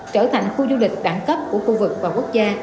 trở thành khu du lịch đẳng cấp của khu vực và quốc gia